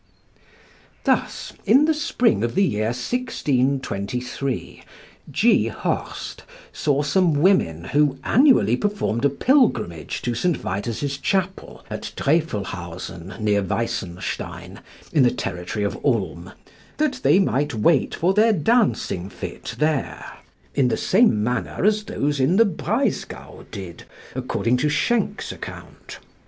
Thus in the spring of the year 1623, G. Horst saw some women who annually performed a pilgrimage to St. Vitus's chapel at Drefelhausen, near Weissenstein, in the territory of Ulm, that they might wait for their dancing fit there, in the same manner as those in the Breisgau did, according to Schenck's account.